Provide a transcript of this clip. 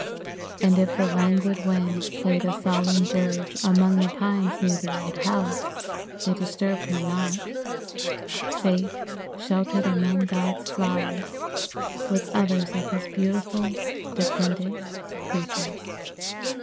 And if the languid winds played a solemn dirge among the pines near the old house, they disturbed her not, safe sheltered among God's flowers with others of his beautiful, dependent creatures.